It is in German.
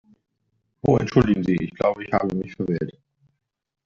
Oh entschuldigen Sie, ich glaube, ich habe mich verwählt.